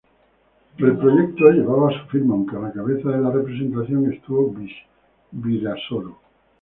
El Proyecto llevaba su firma, aunque a la cabeza de la representación estuvo Virasoro.